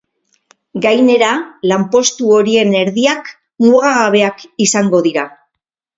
Gainera, lanpostu horien erdiak mugagabeak izango dira.